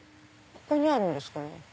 ここにあるんですかね